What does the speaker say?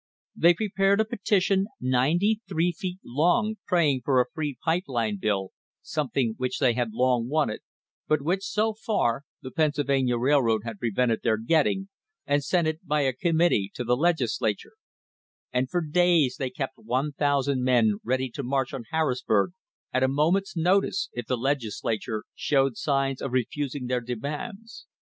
They prepared a petition ninety three feet long praying for a free pipe line bill, something which they had long wanted, but which, so far, the Pennsylvania Railroad had prevented their getting, and sent it by a committee to the Legislature; and for days they kept 1,000 men ready to march on Harrisburg at a moment's notice if the Legislature showed signs of refusing their demands.